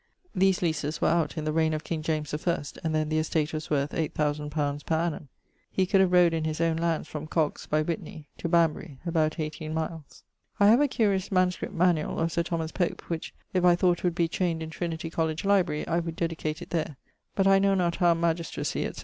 These leases were out in the reigne of King James the first, and then the estate was worth 8000 pounds per annum. He could have rode in his owne lands from Cogges (by Witney) to Banbury, about 18 miles. I have a curious MSS. manuall of Sir Thomas Pope, which if I thought would be chained in Trinity College library, I would dedicate it there, but I know not how magistracy, etc.